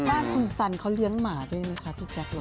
แก่คุณสันเค้าเลี้ยงหมาดูหรือนี่คะพี่แจ๊คหรือ